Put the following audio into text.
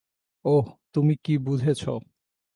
ওহ তুমি কি বুঝেছো?